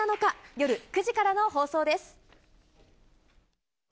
夜９時からの放送です。